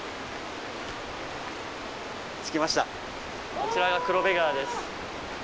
こちらが黒部川です。